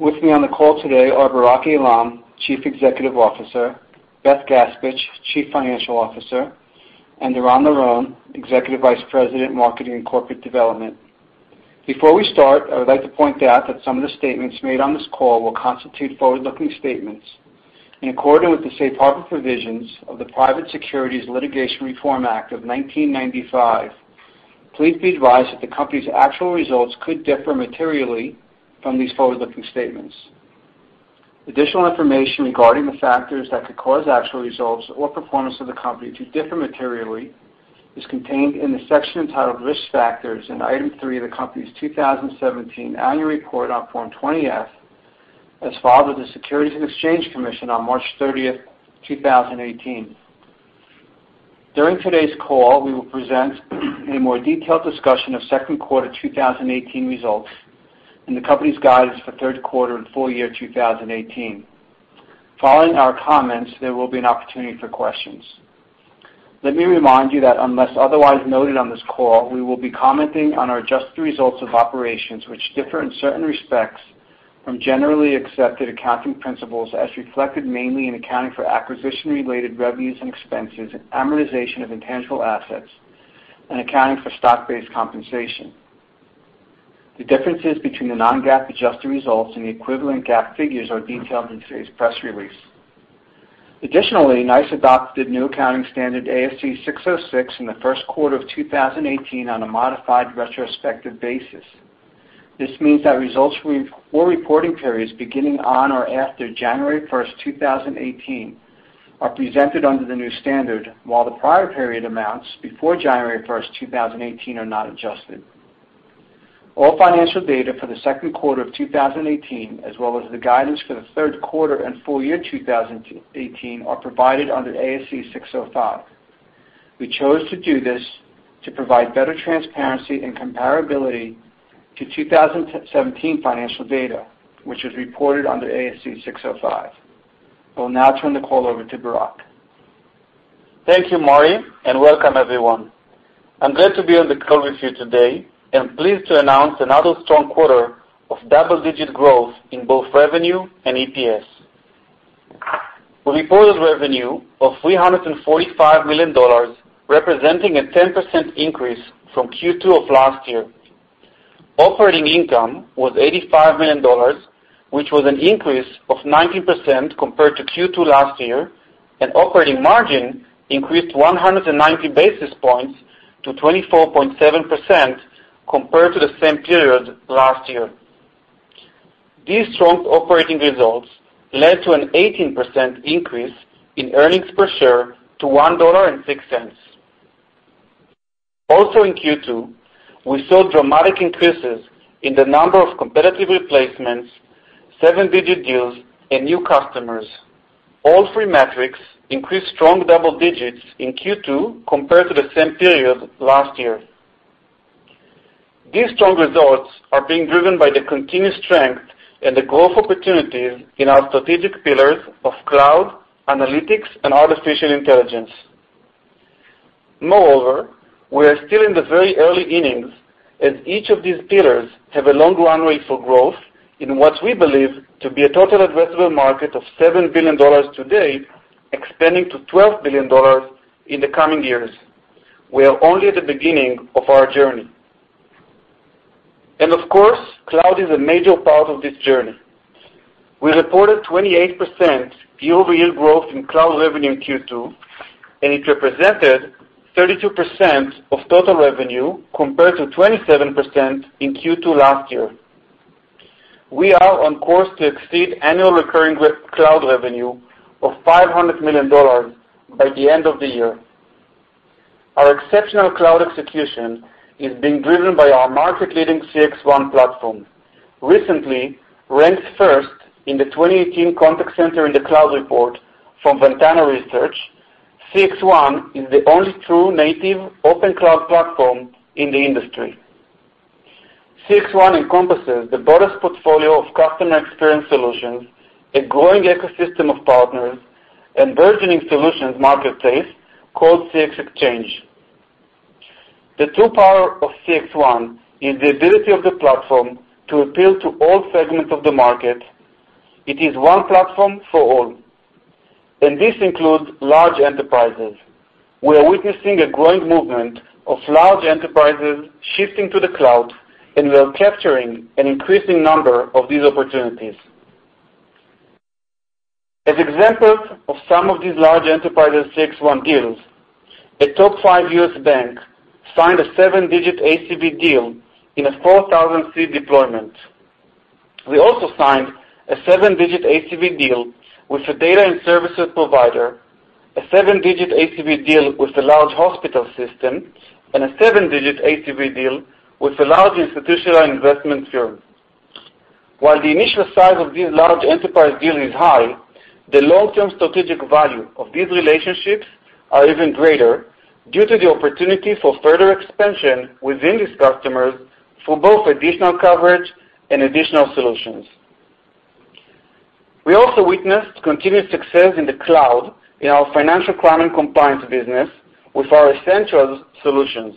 With me on the call today are Barak Eilam, Chief Executive Officer, Beth Gaspich, Chief Financial Officer, and Eran Liron, Executive Vice President, Marketing and Corporate Development. Before we start, I would like to point out that some of the statements made on this call will constitute forward-looking statements. In accordance with the safe harbor provisions of the Private Securities Litigation Reform Act of 1995, please be advised that the company's actual results could differ materially from these forward-looking statements. Additional information regarding the factors that could cause actual results or performance of the company to differ materially is contained in the section entitled Risk Factors in Item 3 of the company's 2017 Annual Report on Form 20-F, as filed with the Securities and Exchange Commission on March 30th, 2018. During today's call, we will present a more detailed discussion of second quarter 2018 results and the company's guidance for third quarter and full year 2018. Following our comments, there will be an opportunity for questions. Let me remind you that unless otherwise noted on this call, we will be commenting on our adjusted results of operations, which differ in certain respects from generally accepted accounting principles, as reflected mainly in accounting for acquisition-related revenues and expenses and amortization of intangible assets and accounting for stock-based compensation. The differences between the non-GAAP adjusted results and the equivalent GAAP figures are detailed in today's press release. Additionally, NICE adopted new accounting standard ASC 606 in the first quarter of 2018 on a modified retrospective basis. This means that results for reporting periods beginning on or after January 1st, 2018, are presented under the new standard, while the prior period amounts before January 1st, 2018, are not adjusted. All financial data for the second quarter of 2018, as well as the guidance for the third quarter and full year 2018, are provided under ASC 605. We chose to do this to provide better transparency and comparability to 2017 financial data, which is reported under ASC 605. I will now turn the call over to Barak. Thank you, Marty, and welcome everyone. I'm glad to be on the call with you today and pleased to announce another strong quarter of double-digit growth in both revenue and EPS. We reported revenue of $345 million, representing a 10% increase from Q2 of last year. Operating income was $85 million, which was an increase of 19% compared to Q2 last year, and operating margin increased 190 basis points to 24.7% compared to the same period last year. These strong operating results led to an 18% increase in earnings per share to $1.06. Also in Q2, we saw dramatic increases in the number of competitive replacements, seven-digit deals, and new customers. All three metrics increased strong double digits in Q2 compared to the same period last year. These strong results are being driven by the continued strength and the growth opportunities in our strategic pillars of cloud, analytics, and artificial intelligence. Moreover, we are still in the very early innings as each of these pillars have a long runway for growth in what we believe to be a total addressable market of $7 billion today, expanding to $12 billion in the coming years. We are only at the beginning of our journey. Of course, cloud is a major part of this journey. We reported 28% year-over-year growth in cloud revenue in Q2, and it represented 32% of total revenue compared to 27% in Q2 last year. We are on course to exceed annual recurring cloud revenue of $500 million by the end of the year. Our exceptional cloud execution is being driven by our market-leading CXone platform. Recently ranked first in the 2018 Contact Center in the Cloud report from Ventana Research, CXone is the only true native open cloud platform in the industry. CXone encompasses the broadest portfolio of customer experience solutions, a growing ecosystem of partners, and burgeoning solutions marketplace called CXexchange. The true power of CXone is the ability of the platform to appeal to all segments of the market. It is one platform for all. This includes large enterprises. We are witnessing a growing movement of large enterprises shifting to the cloud, and we are capturing an increasing number of these opportunities. As examples of some of these large enterprise CXone deals, a top 5 U.S. bank signed a seven-digit ACV deal in a 4,000 seat deployment. We also signed a seven-digit ACV deal with a data and services provider, a seven-digit ACV deal with a large hospital system, and a seven-digit ACV deal with a large institutional investment firm. While the initial size of these large enterprise deals is high, the long-term strategic value of these relationships are even greater due to the opportunity for further expansion within these customers for both additional coverage and additional solutions. We also witnessed continued success in the cloud, in our financial crime and compliance business with our Essentials solutions.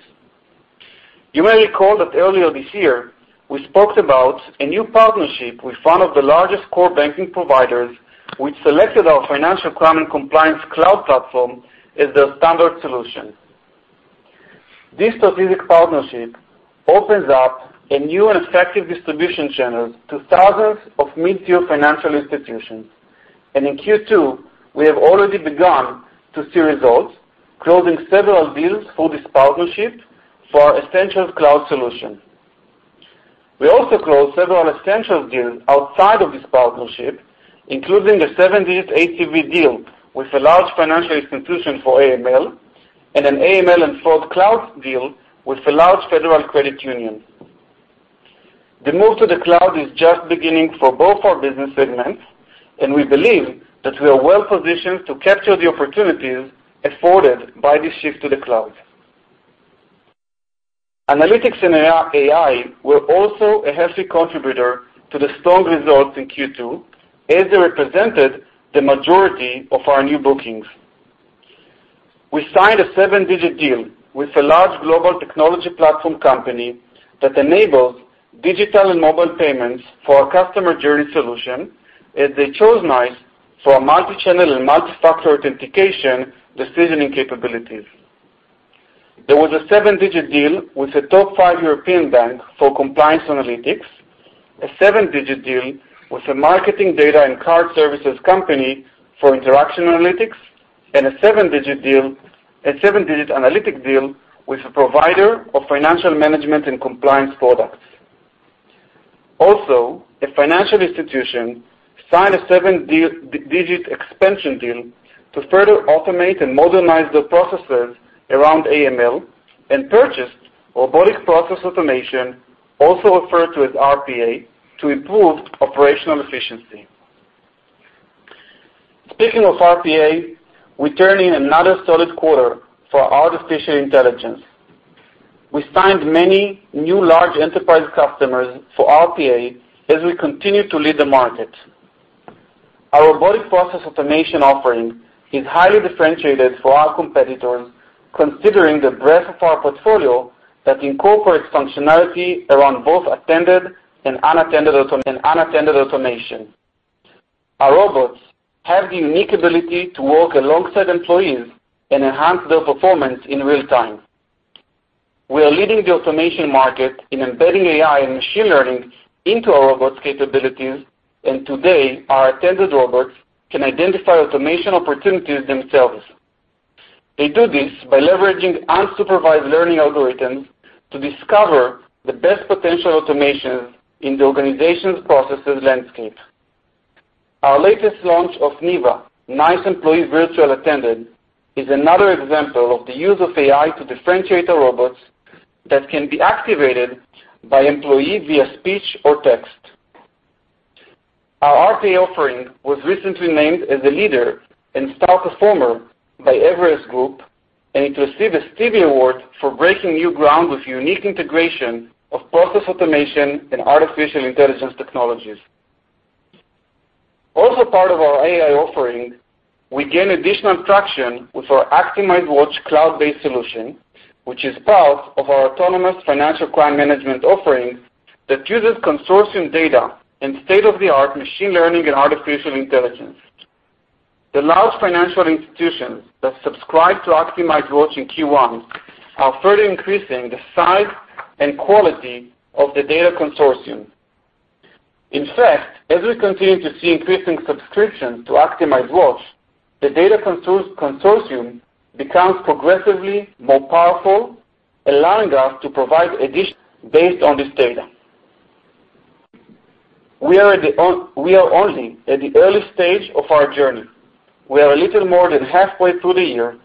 You may recall that earlier this year, we spoke about a new partnership with one of the largest core banking providers, which selected our financial crime and compliance cloud platform as their standard solution. This strategic partnership opens up a new and effective distribution channel to thousands of mid-tier financial institutions. In Q2, we have already begun to see results, closing several deals through this partnership for our Essentials Cloud solution. We also closed several Essentials deals outside of this partnership, including a seven-digit ACV deal with a large financial institution for AML, and an AML and fraud cloud deal with a large federal credit union. The move to the cloud is just beginning for both our business segments, and we believe that we are well-positioned to capture the opportunities afforded by this shift to the cloud. Analytics and AI were also a healthy contributor to the strong results in Q2, as they represented the majority of our new bookings. We signed a seven-digit deal with a large global technology platform company that enables digital and mobile payments for our customer journey solution, as they chose NICE for our multi-channel and multi-factor authentication decisioning capabilities. There was a seven-digit deal with a top five European bank for compliance analytics, a seven-digit deal with a marketing data and card services company for interaction analytics, and a seven-digit analytic deal with a provider of financial management and compliance products. Also, a financial institution signed a seven-digit expansion deal to further automate and modernize their processes around AML and purchased robotic process automation, also referred to as RPA, to improve operational efficiency. Speaking of RPA, we turn in another solid quarter for artificial intelligence. We signed many new large enterprise customers for RPA as we continue to lead the market. Our robotic process automation offering is highly differentiated for our competitors, considering the breadth of our portfolio that incorporates functionality around both attended and unattended automation. Our robots have the unique ability to work alongside employees and enhance their performance in real-time. We are leading the automation market in embedding AI and machine learning into our robots' capabilities, and today, our attended robots can identify automation opportunities themselves. They do this by leveraging unsupervised learning algorithms to discover the best potential automation in the organization's processes landscape. Our latest launch of NEVA, NICE Employee Virtual Attendant, is another example of the use of AI to differentiate our robots that can be activated by employee via speech or text. Our RPA offering was recently named as a leader and star performer by Everest Group, and it received a Stevie Award for breaking new ground with unique integration of process automation and artificial intelligence technologies. Also part of our AI offering, we gain additional traction with our ActimizeWatch cloud-based solution, which is part of our autonomous financial crime management offering that uses consortium data and state-of-the-art machine learning and artificial intelligence. The large financial institutions that subscribe to ActimizeWatch in Q1 are further increasing the size and quality of the data consortium. In fact, as we continue to see increasing subscriptions to ActimizeWatch, the data consortium becomes progressively more powerful, allowing us to provide additional based on this data. We are only at the early stage of our journey. We are a little more than halfway through the year,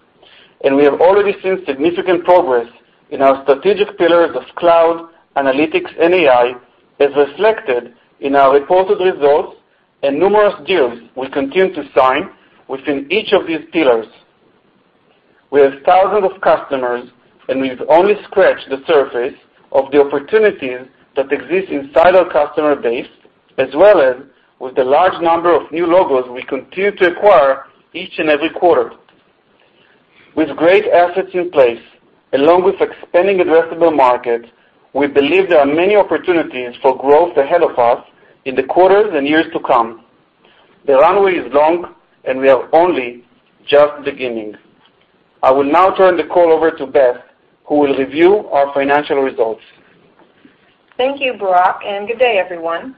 and we have already seen significant progress in our strategic pillars of cloud, analytics, and AI, as reflected in our reported results and numerous deals we continue to sign within each of these pillars. We have thousands of customers, and we've only scratched the surface of the opportunities that exist inside our customer base, as well as with the large number of new logos we continue to acquire each and every quarter. With great assets in place, along with expanding addressable market, we believe there are many opportunities for growth ahead of us in the quarters and years to come. The runway is long, and we are only just beginning. I will now turn the call over to Beth, who will review our financial results. Thank you, Barak, good day, everyone.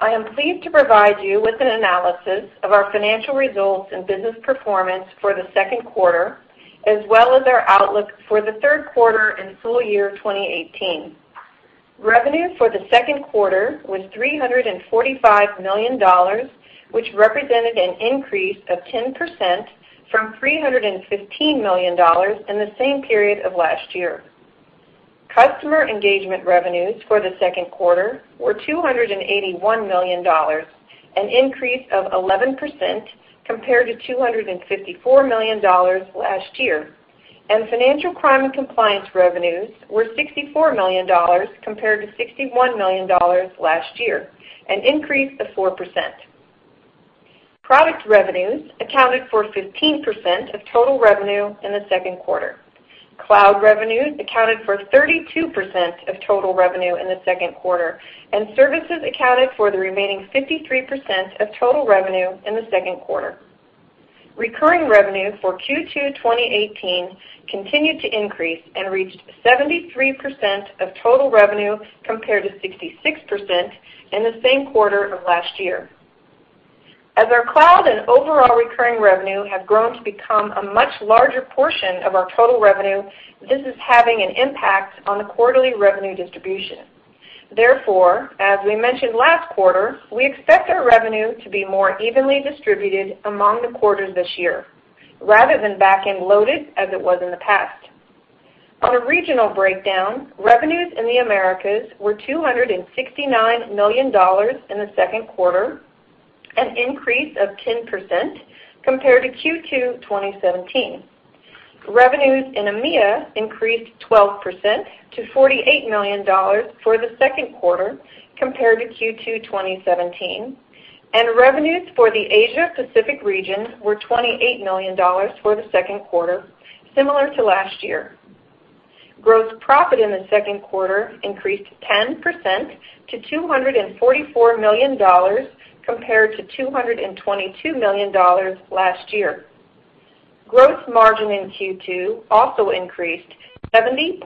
I am pleased to provide you with an analysis of our financial results and business performance for the second quarter, as well as our outlook for the third quarter and full year 2018. Revenue for the second quarter was $345 million, which represented an increase of 10% from $315 million in the same period of last year. Customer engagement revenues for the second quarter were $281 million, an increase of 11% compared to $254 million last year. Financial crime and compliance revenues were $64 million compared to $61 million last year, an increase of 4%. Product revenues accounted for 15% of total revenue in the second quarter. Cloud revenues accounted for 32% of total revenue in the second quarter, and services accounted for the remaining 53% of total revenue in the second quarter. Recurring revenue for Q2 2018 continued to increase and reached 73% of total revenue, compared to 66% in the same quarter of last year. As our cloud and overall recurring revenue have grown to become a much larger portion of our total revenue, this is having an impact on the quarterly revenue distribution. As we mentioned last quarter, we expect our revenue to be more evenly distributed among the quarters this year, rather than back-end loaded as it was in the past. On a regional breakdown, revenues in the Americas were $269 million in the second quarter, an increase of 10% compared to Q2 2017. Revenues in EMEA increased 12% to $48 million for the second quarter compared to Q2 2017. Revenues for the Asia-Pacific region were $28 million for the second quarter, similar to last year. Gross profit in the second quarter increased 10% to $244 million compared to $222 million last year. Gross margin in Q2 also increased 70.6%,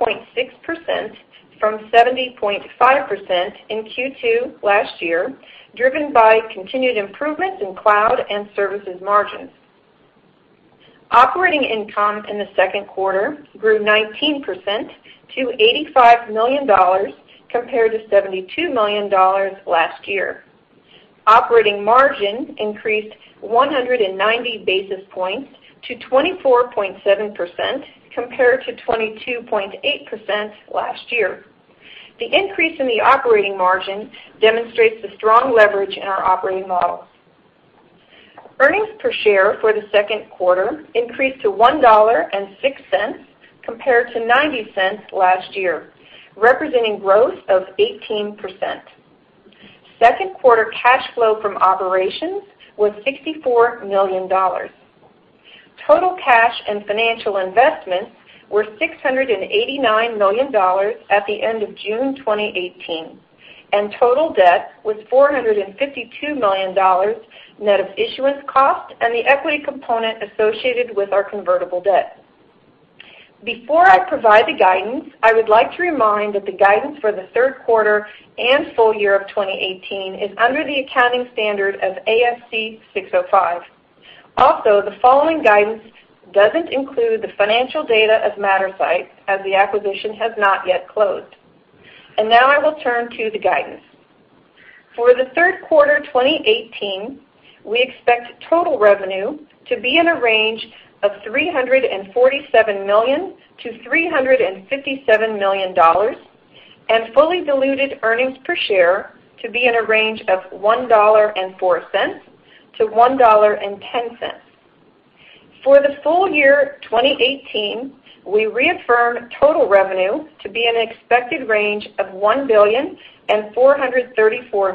from 70.5% in Q2 last year, driven by continued improvements in cloud and services margins. Operating income in the second quarter grew 19% to $85 million compared to $72 million last year. Operating margin increased 190 basis points to 24.7% compared to 22.8% last year. The increase in the operating margin demonstrates the strong leverage in our operating model. Earnings per share for the second quarter increased to $1.06 compared to $0.90 last year, representing growth of 18%. Second quarter cash flow from operations was $64 million. Total cash and financial investments were $689 million at the end of June 2018, and total debt was $452 million net of issuance cost and the equity component associated with our convertible debt. Before I provide the guidance, I would like to remind that the guidance for the third quarter and full year of 2018 is under the accounting standard of ASC 605. Also, the following guidance doesn't include the financial data of Mattersight, as the acquisition has not yet closed. Now I will turn to the guidance. For the third quarter 2018, we expect total revenue to be in a range of $347 million-$357 million, and fully diluted earnings per share to be in a range of $1.04-$1.10. For the full year 2018, we reaffirm total revenue to be in an expected range of $1,434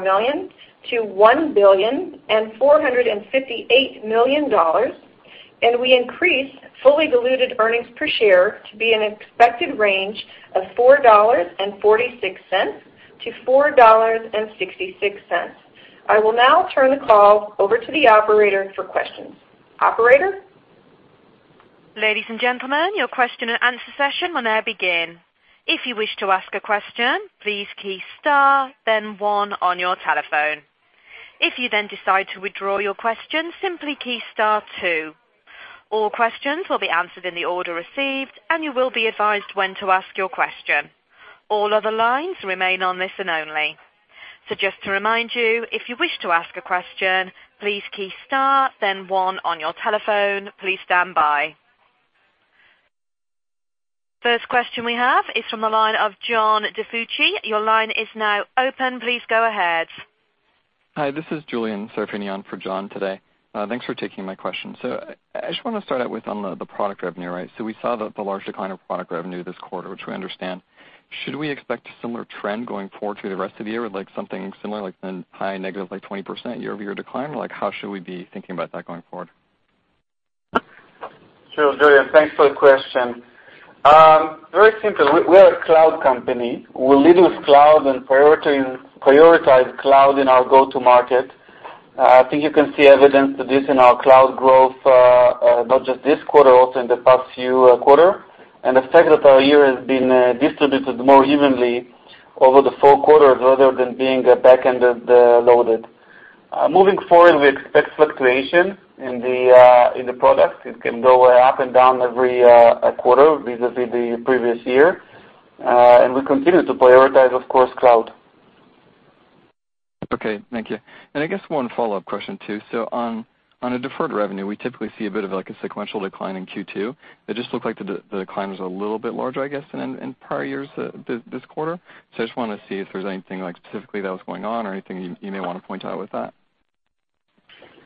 million-$1,458 million, and we increased fully diluted earnings per share to be in an expected range of $4.46-$4.66. I will now turn the call over to the operator for questions. Operator? Ladies and gentlemen, your question and answer session will now begin. If you wish to ask a question, please key star then one on your telephone. If you then decide to withdraw your question, simply key star two. All questions will be answered in the order received, and you will be advised when to ask your question. All other lines remain on listen only. Just to remind you, if you wish to ask a question, please key star then one on your telephone. Please stand by. First question we have is from the line of John DiFucci. Your line is now open. Please go ahead. Hi, this is Julien surfing in for John today. Thanks for taking my question. I just want to start out with on the product revenue. We saw the large decline of product revenue this quarter, which we understand. Should we expect a similar trend going forward through the rest of the year with something similar like a high negative 20% year-over-year decline? How should we be thinking about that going forward? Sure, Julien, thanks for the question. Very simple. We're a cloud company. We lead with cloud and prioritize cloud in our go-to market. I think you can see evidence of this in our cloud growth, not just this quarter, also in the past few quarter, and the fact that our year has been distributed more evenly over the 4 quarters rather than being back-ended loaded. Moving forward, we expect fluctuation in the product. It can go up and down every quarter vis-a-vis the previous year. We continue to prioritize, of course, cloud. Okay. Thank you. I guess one follow-up question, too. On a deferred revenue, we typically see a bit of a sequential decline in Q2. It just looked like the decline was a little bit larger, I guess, than in prior years this quarter. I just want to see if there's anything specifically that was going on or anything you may want to point out with that.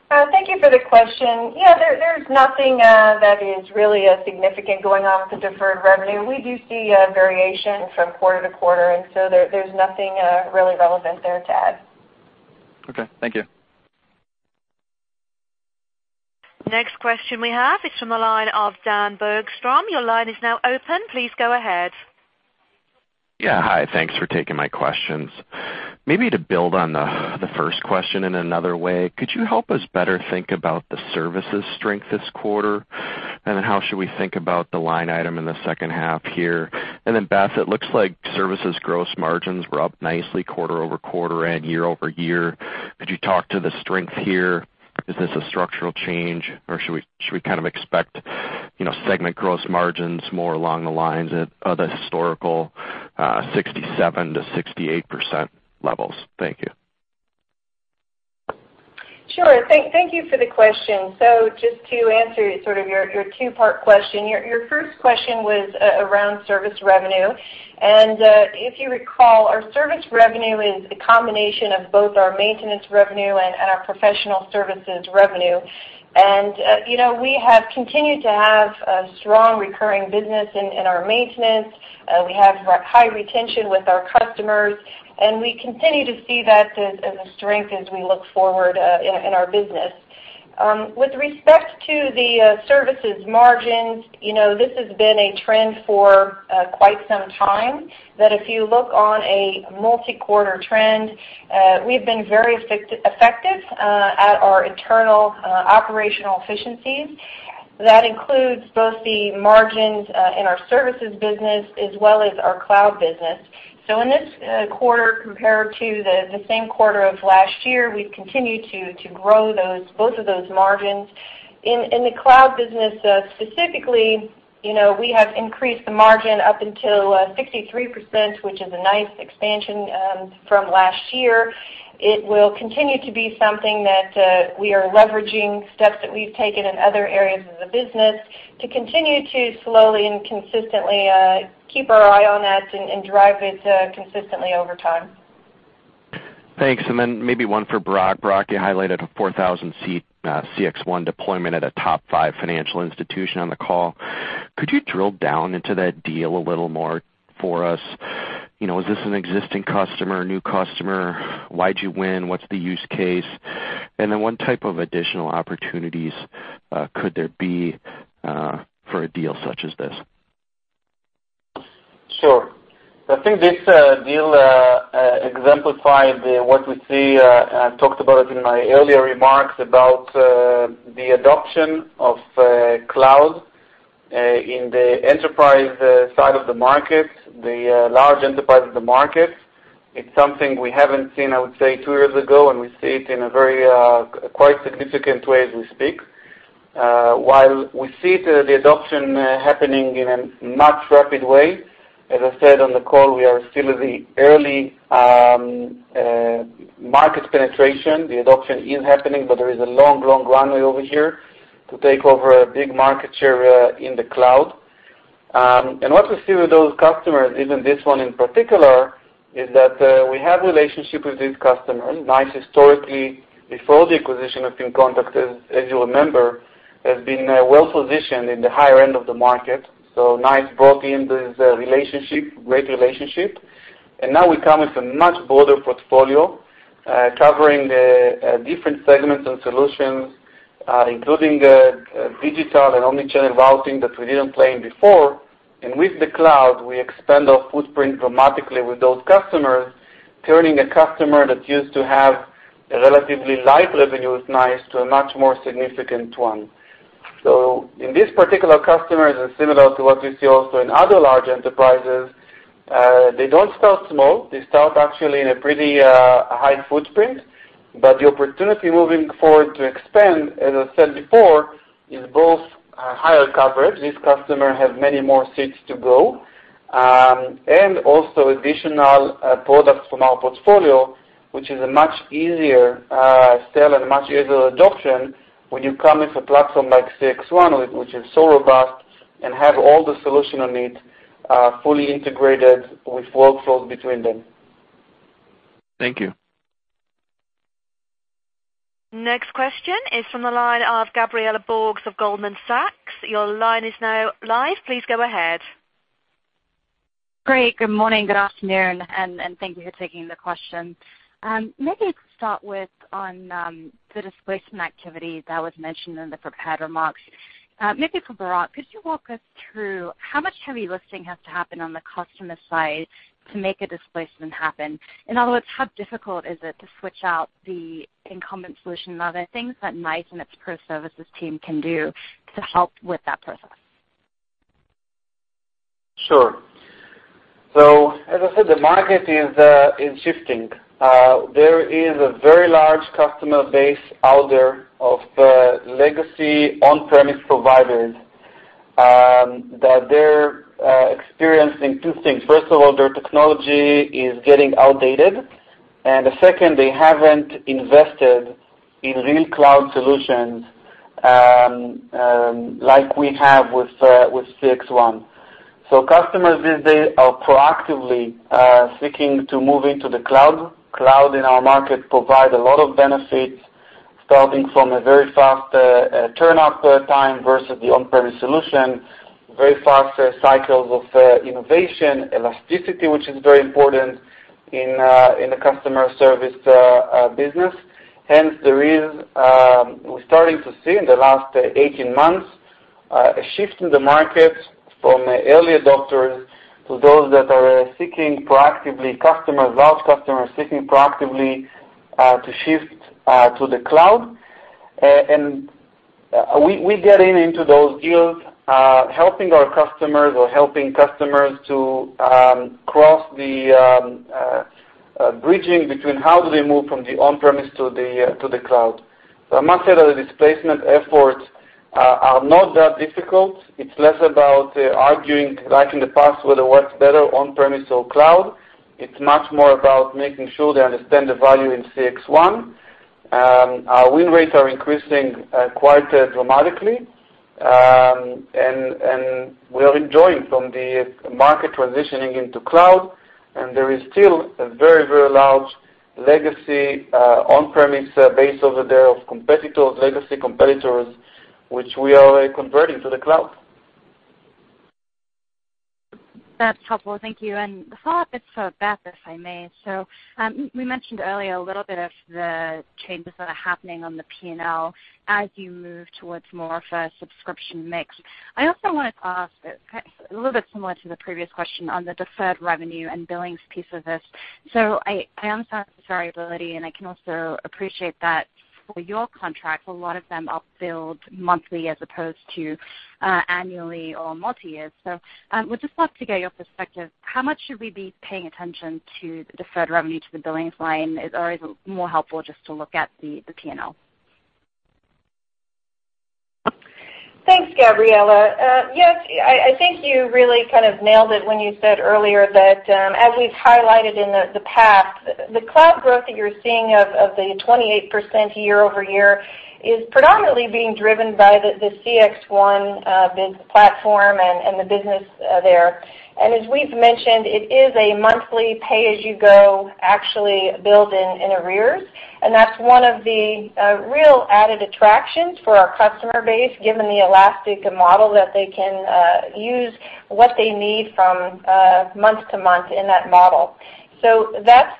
Thank you for the question. Yeah, there's nothing that is really significant going on with the deferred revenue. We do see a variation from quarter to quarter, so there's nothing really relevant there to add. Okay, thank you. Next question we have is from the line of Dan Bergstrom. Your line is now open. Please go ahead. Yeah. Hi. Thanks for taking my questions. Maybe to build on the first question in another way, could you help us better think about the services strength this quarter? How should we think about the line item in the second half here? Beth, it looks like services gross margins were up nicely quarter-over-quarter and year-over-year. Could you talk to the strength here? Is this a structural change or should we kind of expect segment gross margins more along the lines of the historical 67%-68% levels? Thank you. Thank you for the question. Just to answer sort of your two-part question. Your first question was around service revenue. If you recall, our service revenue is a combination of both our maintenance revenue and our professional services revenue. We have continued to have a strong recurring business in our maintenance. We have high retention with our customers, and we continue to see that as a strength as we look forward in our business. With respect to the services margins, this has been a trend for quite some time that if you look on a multi-quarter trend, we've been very effective at our internal operational efficiencies. That includes both the margins in our services business as well as our cloud business. In this quarter, compared to the same quarter of last year, we've continued to grow both of those margins. In the cloud business specifically, we have increased the margin up until 63%, which is a nice expansion from last year. It will continue to be something that we are leveraging steps that we've taken in other areas of the business to continue to slowly and consistently, keep our eye on that and drive it consistently over time. Thanks. Maybe one for Barak. Barak, you highlighted a 4,000-seat CXone deployment at a top five financial institution on the call. Could you drill down into that deal a little more for us? Is this an existing customer, a new customer? Why'd you win? What's the use case? What type of additional opportunities could there be for a deal such as this? Sure. I think this deal exemplifies what we see, I talked about it in my earlier remarks about the adoption of cloud in the enterprise side of the market, the large enterprise of the market. It's something we haven't seen, I would say, two years ago, and we see it in a very, quite significant way as we speak. While we see the adoption happening in a much rapid way, as I said on the call, we are still at the early market penetration. The adoption is happening, but there is a long runway over here to take over a big market share in the cloud. What we see with those customers, even this one in particular, is that we have relationship with these customers. NICE historically, before the acquisition of inContact, as you remember, has been well-positioned in the higher end of the market. NICE brought in this relationship, great relationship. Now we come with a much broader portfolio, covering different segments and solutions, including digital and omnichannel routing that we didn't play in before. With the cloud, we expand our footprint dramatically with those customers, turning a customer that used to have a relatively light revenue with NICE to a much more significant one. In this particular customer, is similar to what we see also in other large enterprises, they don't start small. They start actually in a pretty high footprint, but the opportunity moving forward to expand, as I said before, is both higher coverage. This customer has many more seats to go. Also additional products from our portfolio, which is a much easier sell and much easier adoption when you come with a platform like CXone, which is so robust and have all the solution on it, fully integrated with workflows between them. Thank you. Next question is from the line of Gabriela Borges of Goldman Sachs. Your line is now live. Please go ahead. Great. Good morning. Good afternoon. Thank you for taking the question. To start with on the displacement activity that was mentioned in the prepared remarks. For Barak, could you walk us through how much heavy lifting has to happen on the customer side to make a displacement happen? In other words, how difficult is it to switch out the incumbent solution? Are there things that NICE and its pro services team can do to help with that process? Sure. As I said, the market is shifting. There is a very large customer base out there of legacy on-premise providers that they're experiencing two things. First of all, their technology is getting outdated. The second, they haven't invested in real cloud solutions, like we have with CXone. Customers these days are proactively seeking to move into the cloud. Cloud in our market provide a lot of benefits, starting from a very fast turn-up time versus the on-premise solution, very fast cycles of innovation, elasticity, which is very important in the customer service business. We're starting to see in the last 18 months, a shift in the market from early adopters to those that are seeking proactively, large customers seeking proactively to shift to the cloud. We're getting into those deals, helping our customers or helping customers to cross the bridging between how do they move from the on-premise to the cloud. I must say that the displacement efforts are not that difficult. It's less about arguing, like in the past, whether it works better on-premise or cloud. It's much more about making sure they understand the value in CXone. Our win rates are increasing quite dramatically. We are enjoying from the market transitioning into cloud, and there is still a very large legacy on-premise base over there of legacy competitors, which we are converting to the cloud. That's helpful. Thank you. A follow-up to Beth, if I may. We mentioned earlier a little bit of the changes that are happening on the P&L as you move towards more of a subscription mix. I also wanted to ask a little bit similar to the previous question on the deferred revenue and billings piece of this. I understand the variability, and I can also appreciate that for your contract, a lot of them are billed monthly as opposed to annually or multi-years. Would just love to get your perspective, how much should we be paying attention to the deferred revenue, to the billings line? Or is it more helpful just to look at the P&L? Thanks, Gabriela. Yes, I think you really kind of nailed it when you said earlier that, as we've highlighted in the past, the cloud growth that you're seeing of the 28% year-over-year is predominantly being driven by the CXone platform and the business there. As we've mentioned, it is a monthly pay-as-you-go actually billed in arrears, and that's one of the real added attractions for our customer base, given the elastic model that they can use what they need from month to month in that model. That's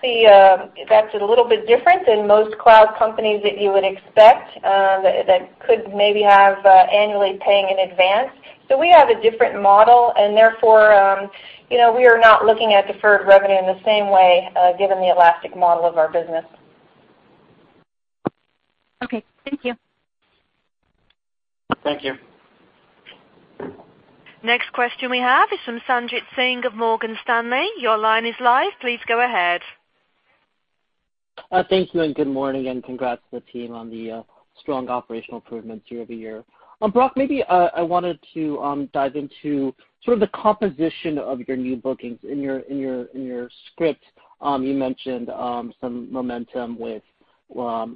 a little bit different than most cloud companies that you would expect, that could maybe have annually paying in advance. We have a different model, and therefore, we are not looking at deferred revenue in the same way, given the elastic model of our business. Okay, thank you. Thank you. Next question we have is from Sanjit Singh of Morgan Stanley. Your line is live. Please go ahead. Thank you, and good morning, and congrats to the team on the strong operational improvements year-over-year. Barak, maybe I wanted to dive into sort of the composition of your new bookings. In your script, you mentioned some momentum with AI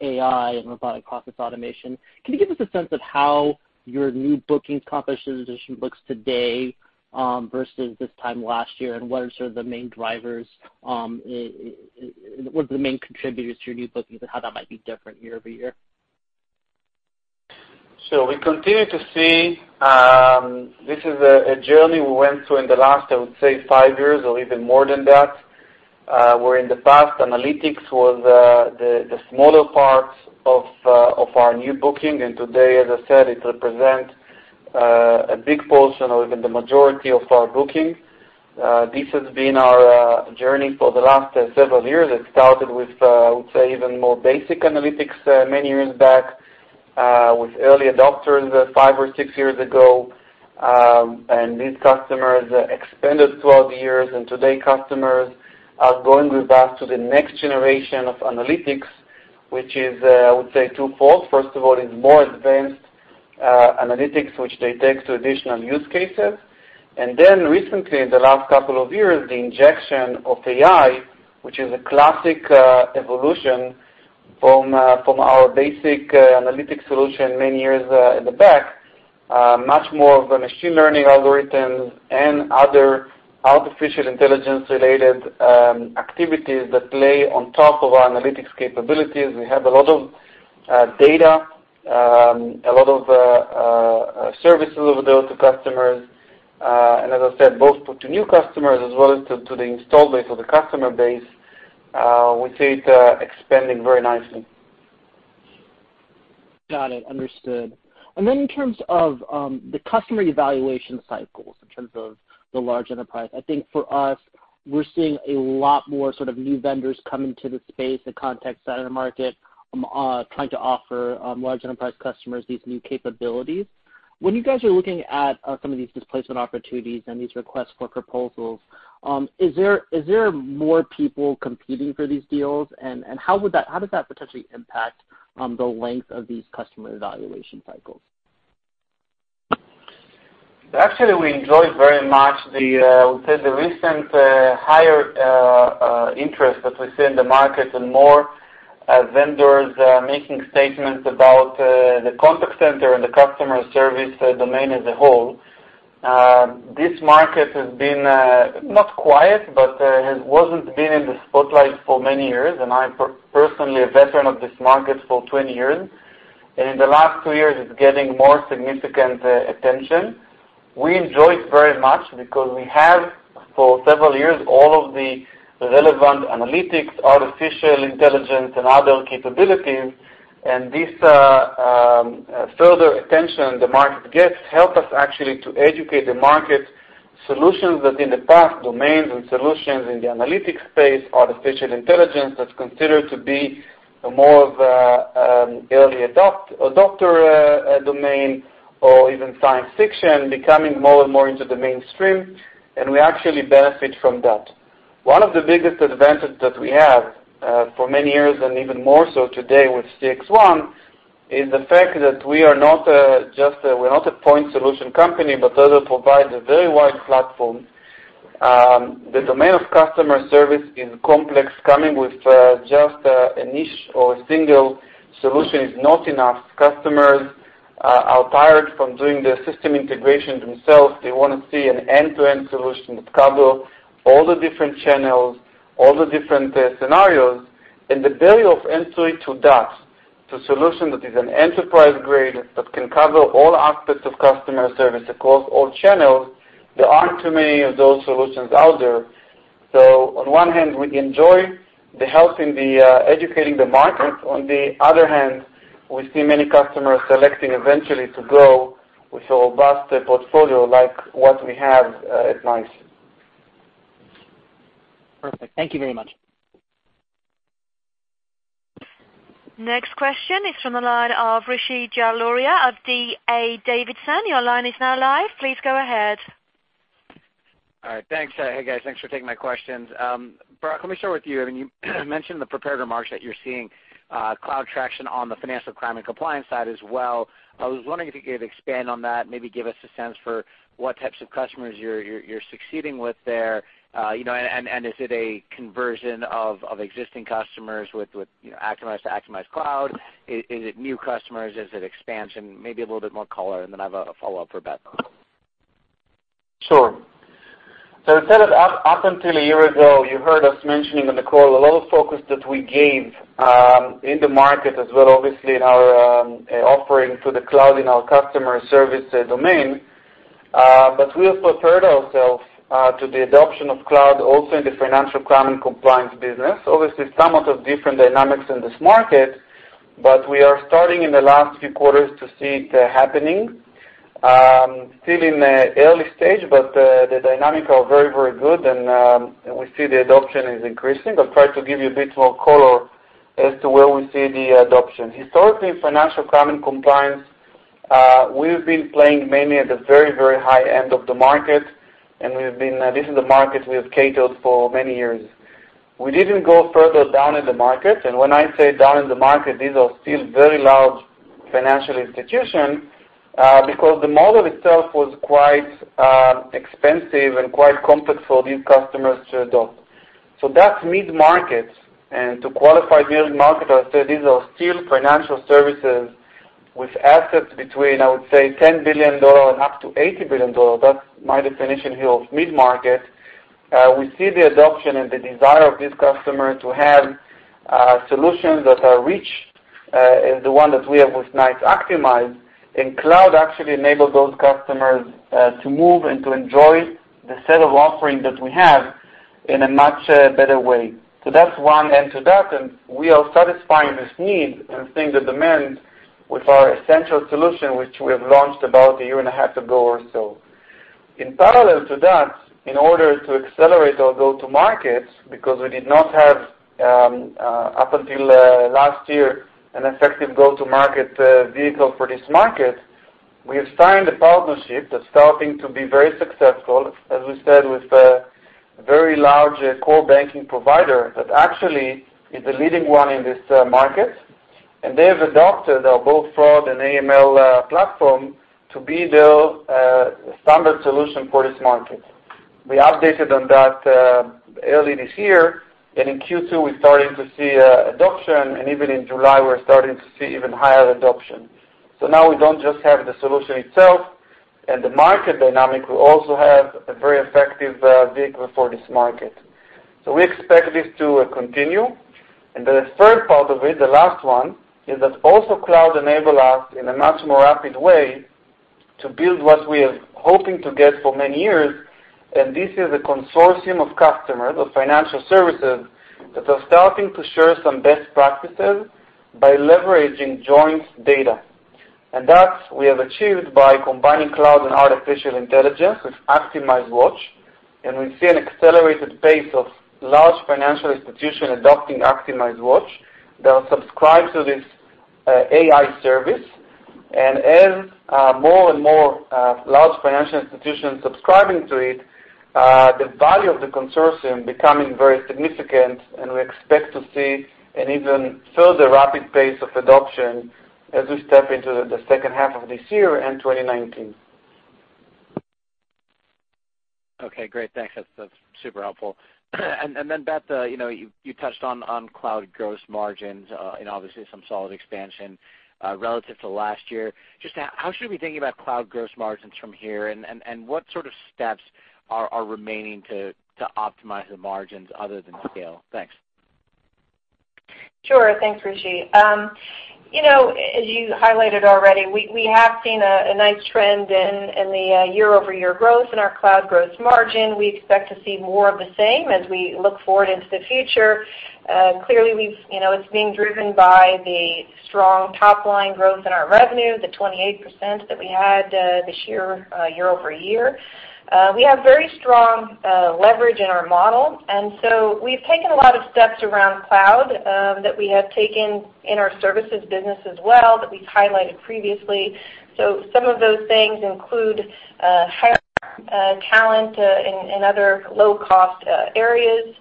and robotic process automation. Can you give us a sense of how your new bookings composition looks today, versus this time last year? What are sort of the main contributors to your new bookings and how that might be different year-over-year? We continue to see, this is a journey we went through in the last, I would say, five years or even more than that. Where in the past, analytics was the smaller parts of our new bookings, and today, as I said, it represents a big portion or even the majority of our bookings. This has been our journey for the last several years. It started with, I would say, even more basic analytics, many years back, with early adopters, five or six years ago. These customers expanded throughout the years, and today customers are going with us to the next generation of analytics, which is, I would say, twofold. First of all, is more advanced analytics, which they take to additional use cases. Recently, in the last couple of years, the injection of AI, which is a classic evolution from our basic analytics solution many years in the back, much more of a machine learning algorithms and other artificial intelligence related activities that play on top of our analytics capabilities. We have a lot of data, a lot of services over there to customers. As I said, both to new customers as well as to the install base or the customer base, we see it expanding very nicely. Got it. Understood. In terms of the customer evaluation cycles, in terms of the large enterprise, I think for us, we're seeing a lot more sort of new vendors come into the space, the Contact Center market, trying to offer large enterprise customers these new capabilities. When you guys are looking at some of these displacement opportunities and these requests for proposals, is there more people competing for these deals, how does that potentially impact the length of these customer evaluation cycles? Actually, we enjoy very much the, I would say, the recent higher interest that we see in the market. As vendors are making statements about the contact center and the customer service domain as a whole, this market has been not quiet, but it hasn't been in the spotlight for many years, and I'm personally a veteran of this market for 20 years. In the last two years, it's getting more significant attention. We enjoy it very much because we have, for several years, all of the relevant analytics, artificial intelligence, and other capabilities. This further attention the market gets helps us actually to educate the market solutions that in the past, domains and solutions in the analytics space, artificial intelligence, that's considered to be more of an early adopter domain or even science fiction, becoming more and more into the mainstream. We actually benefit from that. One of the biggest advantages that we have for many years and even more so today with CXone is the fact that we're not a point solution company but rather provide a very wide platform. The domain of customer service is complex. Coming with just a niche or a single solution is not enough. Customers are tired from doing the system integration themselves. They want to see an end-to-end solution that covers all the different channels, all the different scenarios. The value of end-to-end solution that is an enterprise grade that can cover all aspects of customer service across all channels, there aren't too many of those solutions out there. On one hand, we enjoy helping, educating the market. On the other hand, we see many customers selecting eventually to go with a robust portfolio like what we have at NICE. Perfect. Thank you very much. Next question is from the line of Rishi Jaluria of D.A. Davidson. Your line is now live. Please go ahead. All right. Thanks. Hey, guys. Thanks for taking my questions. Barak, let me start with you. You mentioned the prepared remarks that you're seeing cloud traction on the financial crime and compliance side as well. I was wondering if you could expand on that, maybe give us a sense for what types of customers you're succeeding with there. Is it a conversion of existing customers with Actimize cloud? Is it new customers? Is it expansion? Maybe a little bit more color, then I've a follow-up for Beth. Sure. Instead of up until a year ago, you heard us mentioning in the call a lot of focus that we gave, in the market as well, obviously in our offering to the cloud in our customer service domain. We have prepared ourselves to the adoption of cloud also in the financial crime and compliance business. Obviously, somewhat of different dynamics in this market. We are starting in the last few quarters to see it happening. Still in early stage, the dynamics are very, very good. We see the adoption is increasing. I'll try to give you a bit more color as to where we see the adoption. Historically, financial crime and compliance, we've been playing mainly at the very, very high end of the market. This is a market we have catered for many years. We didn't go further down in the market. When I say down in the market, these are still very large financial institutions, because the model itself was quite expensive and quite complex for these customers to adopt. That's mid-market. To qualify mid-market, I said these are still financial services with assets between, I would say, $10 billion up to $80 billion. That's my definition here of mid-market. We see the adoption and the desire of this customer to have solutions that are rich, as the one that we have with NICE Actimize. Cloud actually enable those customers to move and to enjoy the set of offerings that we have in a much better way. That's one end to that, and we are satisfying this need and seeing the demand with our Essentials solution, which we have launched about a year and a half ago or so. In parallel to that, in order to accelerate our go-to-markets, because we did not have, up until last year, an effective go-to-market vehicle for this market, we have signed a partnership that's starting to be very successful, as we said, with a very large core banking provider that actually is the leading one in this market. They have adopted our both fraud and AML platform to be their standard solution for this market. We updated on that early this year, and in Q2, we're starting to see adoption, and even in July, we're starting to see even higher adoption. Now we don't just have the solution itself and the market dynamic, we also have a very effective vehicle for this market. We expect this to continue. The third part of it, the last one, is that also cloud enable us in a much more rapid way to build what we are hoping to get for many years, and this is a consortium of customers of financial services that are starting to share some best practices by leveraging joint data. That we have achieved by combining cloud and artificial intelligence with ActimizeWatch, and we see an accelerated pace of large financial institution adopting ActimizeWatch that subscribe to this AI service. As more and more large financial institutions subscribing to it, the value of the consortium becoming very significant, and we expect to see an even further rapid pace of adoption as we step into the second half of this year and 2019. Okay, great. Thanks. That's super helpful. Then Beth, you touched on cloud gross margins, and obviously some solid expansion relative to last year. Just how should we be thinking about cloud gross margins from here, and what sort of steps are remaining to optimize the margins other than scale? Thanks. Sure. Thanks, Rishi. As you highlighted already, we have seen a nice trend in the year-over-year growth in our cloud gross margin. We expect to see more of the same as we look forward into the future. Clearly, it's being driven by the strong top-line growth in our revenue, the 28% that we had this year-over-year. We have very strong leverage in our model. We've taken a lot of steps around cloud that we have taken in our services business as well, that we've highlighted previously. Some of those things include hiring talent in other low-cost areas.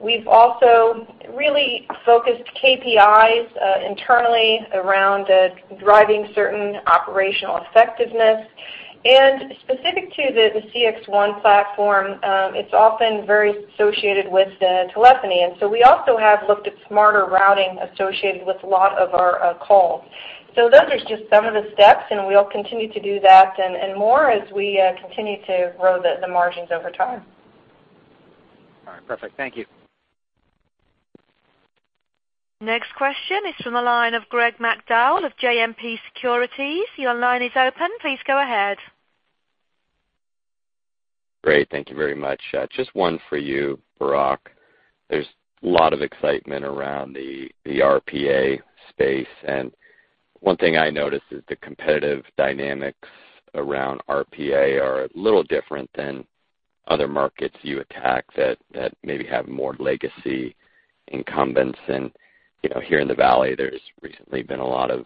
We've also really focused KPIs internally around driving certain operational effectiveness. Specific to the CXone platform, it's often very associated with telephony. We also have looked at smarter routing associated with a lot of our calls. Those are just some of the steps. We'll continue to do that and more as we continue to grow the margins over time. All right. Perfect. Thank you. Next question is from the line of Greg McDowell of JMP Securities. Your line is open. Please go ahead. Great. Thank you very much. Just one for you, Barak. One thing I noticed is the competitive dynamics around RPA are a little different than other markets you attack that maybe have more legacy incumbents. Here in the Valley, there's recently been a lot of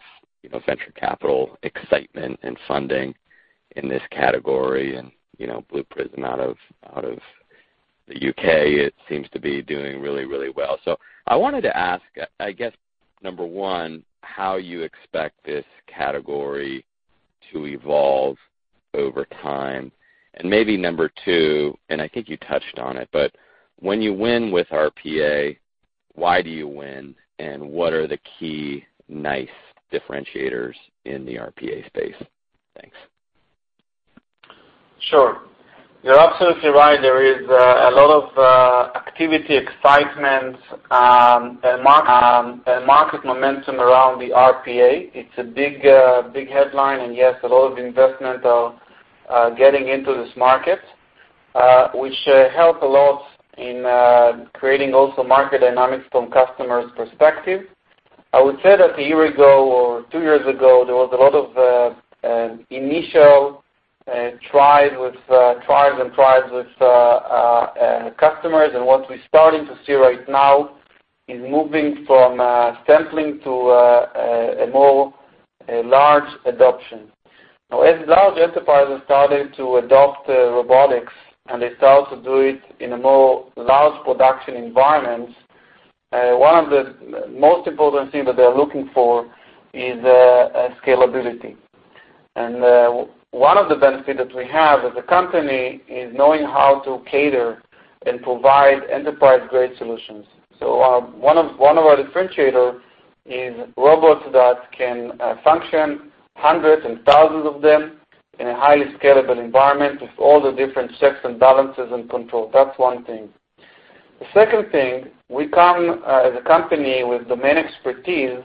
venture capital excitement and funding in this category, and Blue Prism out of the U.K., it seems to be doing really, really well. I wanted to ask, I guess number one, how you expect this category to evolve over time, and maybe number two, and I think you touched on it, but when you win with RPA, why do you win, and what are the key NICE differentiators in the RPA space? Thanks. Sure. You're absolutely right. There is a lot of activity, excitement, and market momentum around the RPA. It's a big headline, and yes, a lot of investment are getting into this market, which help a lot in creating also market dynamics from customers' perspective. I would say that a year ago or two years ago, there was a lot of initial trials and trials with customers. What we're starting to see right now is moving from sampling to a more large adoption. Now, as large enterprises started to adopt robotics and they start to do it in a more large production environments, one of the most important thing that they're looking for is scalability. One of the benefit that we have as a company is knowing how to cater and provide enterprise-grade solutions. One of our differentiator is robots that can function hundreds and thousands of them in a highly scalable environment with all the different checks and balances and control. That's one thing. The second thing, we come as a company with domain expertise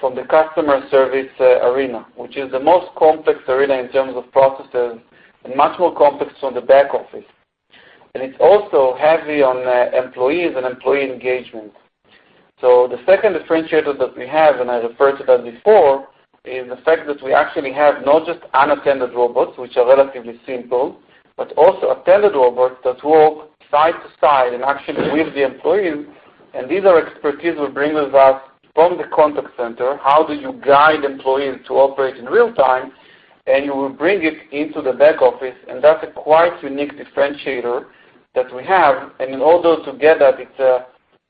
from the customer service arena, which is the most complex arena in terms of processes and much more complex on the back office. It's also heavy on employees and employee engagement. The second differentiator that we have, and I referred to that before, is the fact that we actually have not just unattended robots, which are relatively simple, but also attended robots that work side to side and actually with the employees. These are expertise we bring with us from the contact center, how do you guide employees to operate in real time, and you will bring it into the back office, and that's a quite unique differentiator that we have. In all those together, it's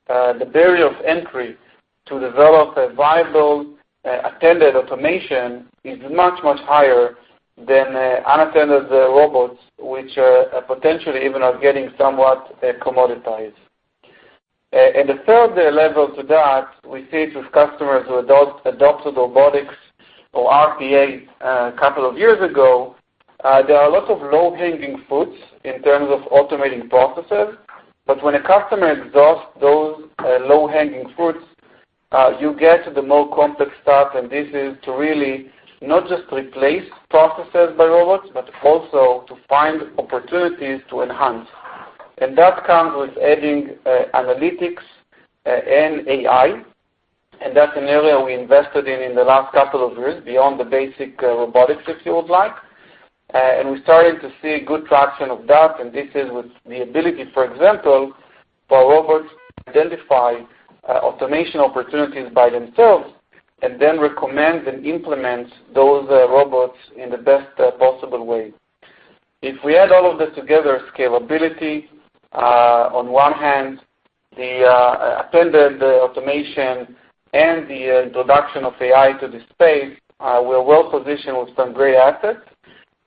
the barrier of entry to develop a viable, attended automation is much, much higher than unattended robots, which are potentially even are getting somewhat commoditized. The third level to that, we see it with customers who adopted robotics or RPA a couple of years ago. There are a lot of low-hanging fruits in terms of automating processes, but when a customer exhausts those low-hanging fruits, you get to the more complex stuff, this is to really not just replace processes by robots, but also to find opportunities to enhance. That comes with adding analytics and AI, and that's an area we invested in the last couple of years beyond the basic robotics, if you would like. We're starting to see good traction of that, and this is with the ability, for example, for robots to identify automation opportunities by themselves and then recommend and implement those robots in the best possible way. If we add all of this together, scalability on one hand, the attended automation and the introduction of AI to the space, we're well-positioned with some great assets.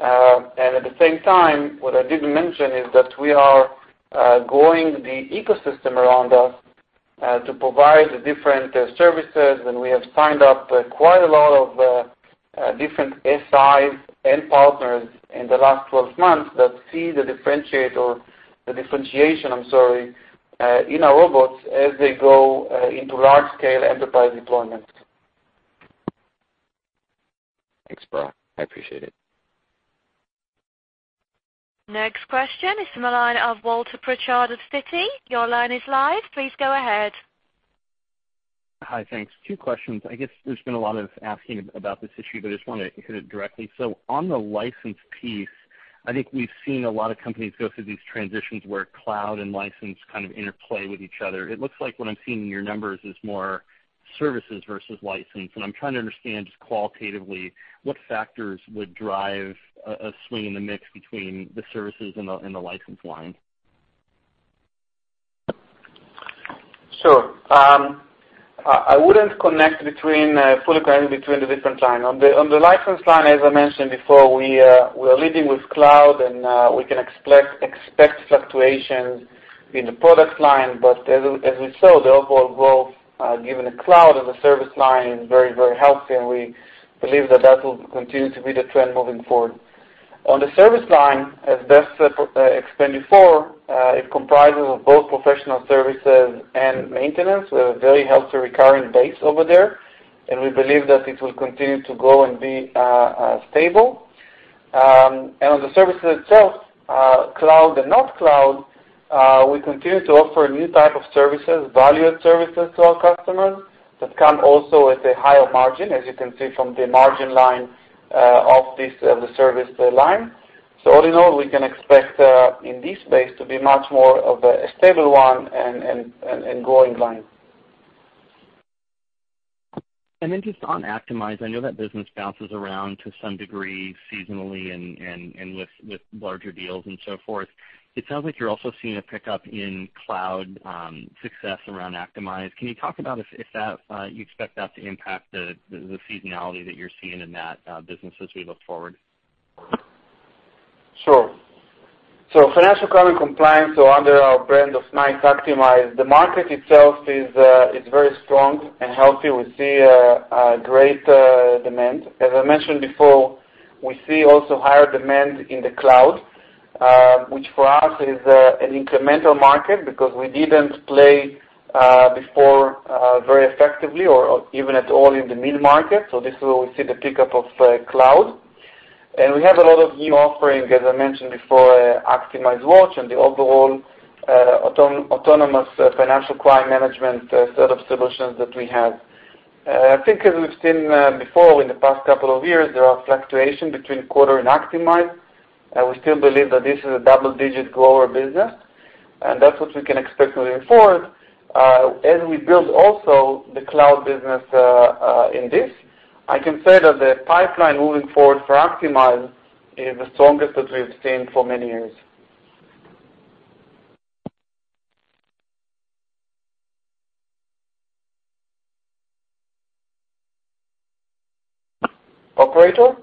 At the same time, what I didn't mention is that we are growing the ecosystem around us to provide the different services. We have signed up quite a lot of different SIs and partners in the last 12 months that see the differentiation, I'm sorry, in our robots as they go into large-scale enterprise deployment. Thanks, Barak. I appreciate it. Next question is from the line of Walter Pritchard of Citi. Your line is live. Please go ahead. Hi, thanks. Two questions. I guess there's been a lot of asking about this issue, but I just want to hit it directly. On the license piece, I think we've seen a lot of companies go through these transitions where cloud and license kind of interplay with each other. It looks like what I'm seeing in your numbers is more services versus license, and I'm trying to understand just qualitatively what factors would drive a swing in the mix between the services and the license line. Sure. I wouldn't fully connect between the different line. On the license line, as I mentioned before, we are leading with cloud, and we can expect fluctuations in the product line. As we saw, the overall growth, given the cloud as a service line, is very healthy, and we believe that will continue to be the trend moving forward. On the service line, as Beth explained before, it comprises of both professional services and maintenance. We have a very healthy recurring base over there, and we believe that it will continue to grow and be stable. On the services itself, cloud and not cloud, we continue to offer new type of services, valued services to our customers that come also with a higher margin, as you can see from the margin line of the service line. All in all, we can expect, in this space, to be much more of a stable one and growing line. Just on Actimize, I know that business bounces around to some degree seasonally and with larger deals and so forth. It sounds like you're also seeing a pickup in cloud success around Actimize. Can you talk about if you expect that to impact the seasonality that you're seeing in that business as we look forward? Sure. Financial crime compliance, under our brand of NICE Actimize, the market itself is very strong and healthy. We see a great demand. As I mentioned before, we see also higher demand in the cloud, which for us is an incremental market because we didn't play before very effectively or even at all in the mid-market. This is where we see the pickup of cloud. We have a lot of new offerings, as I mentioned before, ActimizeWatch and the overall autonomous financial crime management set of solutions that we have. I think as we've seen before in the past couple of years, there are fluctuation between quarter and Actimize. We still believe that this is a double-digit grower business, and that's what we can expect moving forward. As we build also the cloud business in this, I can say that the pipeline moving forward for Actimize is the strongest that we have seen for many years. Operator?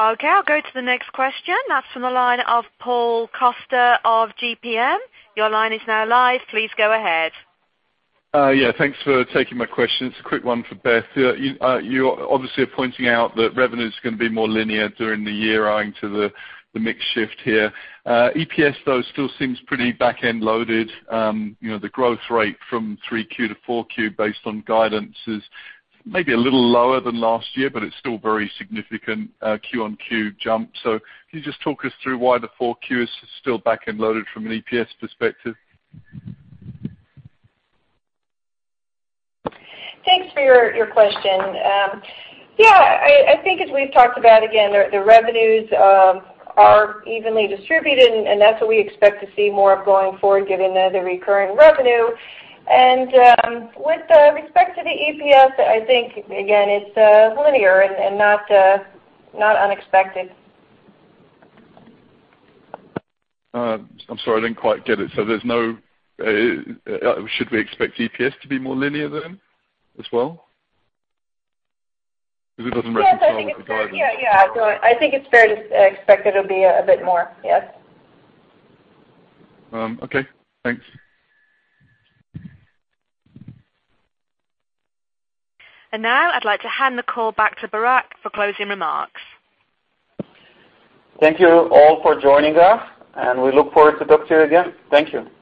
Okay, I'll go to the next question. That's from the line of Paul Coster of JPM. Your line is now live. Please go ahead. Yeah, thanks for taking my question. It's a quick one for Beth. You obviously are pointing out that revenue's going to be more linear during the year owing to the mix shift here. EPS, though, still seems pretty back-end loaded. The growth rate from 3Q to 4Q based on guidance is maybe a little lower than last year, but it's still very significant Q on Q jump. Can you just talk us through why the 4Q is still back-end loaded from an EPS perspective? Thanks for your question. Yeah, I think as we've talked about, again, the revenues are evenly distributed, and that's what we expect to see more of going forward, given the recurring revenue. With respect to the EPS, I think, again, it's linear and not unexpected. I'm sorry, I didn't quite get it. Should we expect EPS to be more linear then as well? Because it doesn't reconcile with the guidance. Yeah. I think it's fair to expect it'll be a bit more, yes. Okay, thanks. Now I'd like to hand the call back to Barak for closing remarks. Thank you all for joining us. We look forward to talk to you again. Thank you.